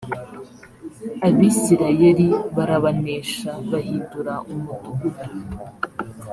abisirayeli barabanesha bahindura umudugudu